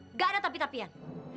nggak ada tapi tapian